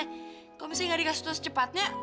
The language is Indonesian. kalau misalnya gak dikasih tau secepatnya